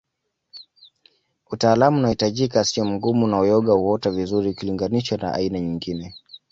Utaalamu unaohitajika siyo mgumu na uyoga huota vizuri ukiliganisha na aina nyingine